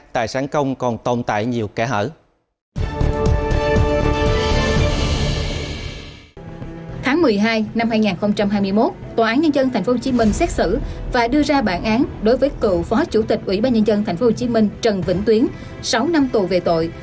tài sản công còn tồn tại nhiều kẻ hở